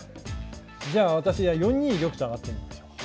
じゃあ私は４二玉と上がってみましょう。